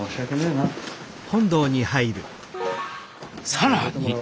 更に。